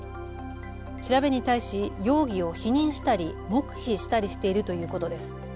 調べに対し容疑を否認したり黙秘したりしているということです。